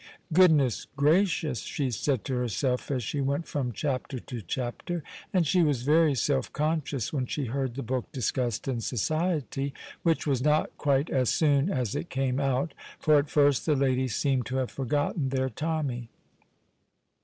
"Goodness gracious!" she said to herself as she went from chapter to chapter, and she was very self conscious when she heard the book discussed in society, which was not quite as soon as it came out, for at first the ladies seemed to have forgotten their Tommy.